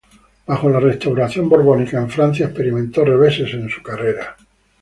Bajo la Restauración borbónica en Francia experimentó reveses en su carrera.